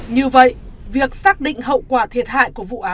như vậy việc xác định hậu quả thiệt hại của vụ án ra sao